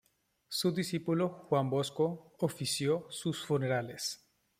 Su discípulo Juan Bosco ofició sus funerales.